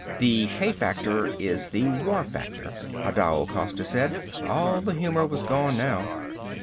"The k factor is the war factor," Adao Costa said. All the humor was gone now.